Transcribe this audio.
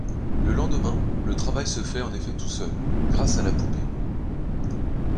Le lendemain, le travail se fait en effet tout seul, grâce à la poupée.